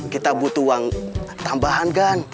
kita butuh uang tambahan kan